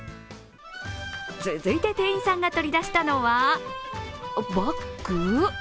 続いて店員さんが取り出したのはバッグ？